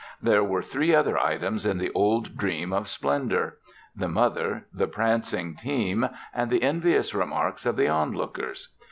There were three other items in the old dream of splendor the mother, the prancing team, and the envious remarks of the onlookers.